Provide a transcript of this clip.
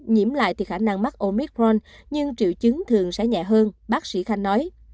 nhiễm lại thì khả năng mắc oicron nhưng triệu chứng thường sẽ nhẹ hơn bác sĩ khanh nói